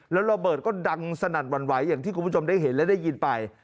แล้วระเบิดก็ดังสนั่นหวั่นไหวอย่างที่คุณผู้ชมได้เห็นและได้ยินไป